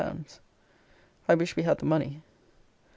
I wish we had the money.